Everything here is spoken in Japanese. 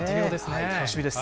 楽しみです。